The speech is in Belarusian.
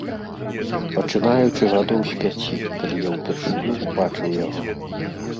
Пачынаючы гадоў з пяці, калі я ўпершыню ўбачыў яго.